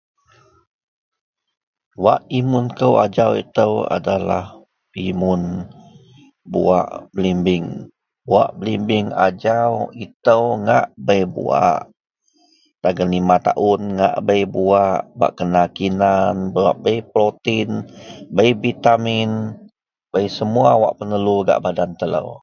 wak imun akou ajau itou adalah imun buak belimbing, buak belimbing ajau itou ngak bei buak, dagen lima taun ngak bei buak, bak kena kinan, bak bei protein bei vitamin bei semua wak perlu gak badan telou